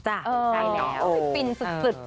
ใช่แล้วฟินสุด